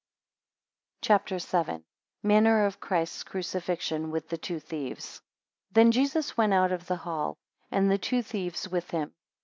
CHAP. VII. 1 Manner of Christ's crucifixion with the two thieves. THEN Jesus went out of the hall, and the two thieves with him.